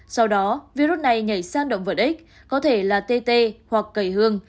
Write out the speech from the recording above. sau đó virus này nhảy sang động vật ích có thể là tt hoặc cầy hương